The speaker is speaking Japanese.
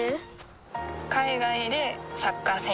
海外でサッカー選手になる